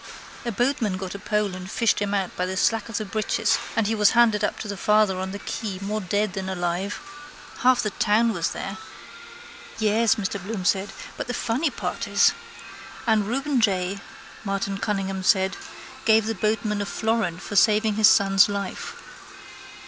A boatman got a pole and fished him out by the slack of the breeches and he was landed up to the father on the quay more dead than alive. Half the town was there. —Yes, Mr Bloom said. But the funny part is..... —And Reuben J, Martin Cunningham said, gave the boatman a florin for saving his son's life.